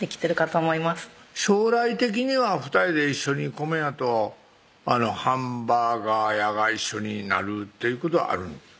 将来的には２人で一緒に米屋とハンバーガー屋が一緒になるっていうことはあるんですか？